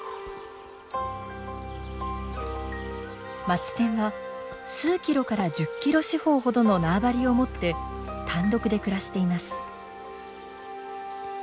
マツテンは数キロから１０キロ四方ほどの縄張りを持って単独で暮らしています。